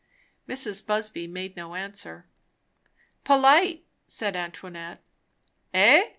Mrs. Busby made no answer. "Polite " said Antoinette. "Eh?"